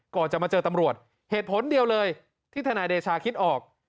ก่อนจะมาเจอตำรวจเหตุผลเดียวเลยที่ทนายเดชาคิดออก